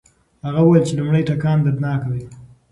هغه وویل چې لومړی ټکان دردناک وي.